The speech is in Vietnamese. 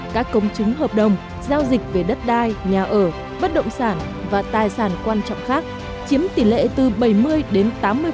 các công chứng hợp đồng giao dịch về đất đai nhà ở bất động sản và tài sản quan trọng khác chiếm tỷ lệ từ bảy mươi đến tám mươi